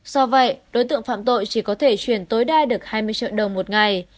do vậy đối tượng phạm tội chỉ có thể chuyển tối đa được hai mươi triệu đồng một ngày